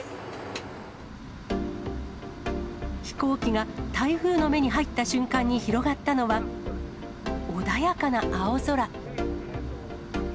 飛行機が台風の目に入った瞬間に広がったのは、穏やかな青空。